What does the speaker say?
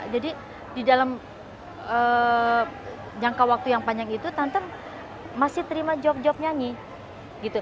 jadi di dalam jangka waktu yang panjang itu tante masih terima jawab jawab nyanyi